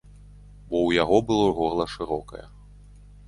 Бо ў яго было горла шырокае.